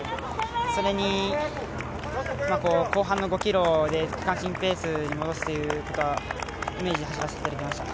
それに、後半の５ｋｍで区間新ペースに戻すというイメージして走らせていただきました。